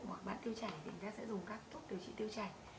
hoặc bạn tiêu chảy thì người ta sẽ dùng các thuốc điều trị tiêu chảy